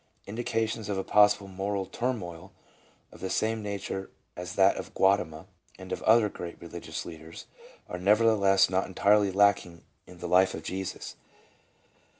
Indications of a possible moral turmoil of the same nature as that of Gautama and of other great re ligious leaders, are nevertheless not entirely lacking in the life of Jesus.